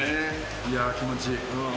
いや、気持ちいい。